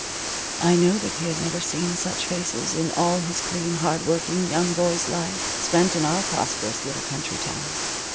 I know that he had never seen such faces in all his clean, hard working young boy's life, spent in our prosperous little country town.